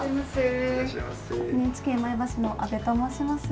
ＮＨＫ前橋の阿部と申します。